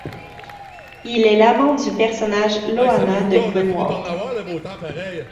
Il est l'amant du personnage Loanna de Grimwald.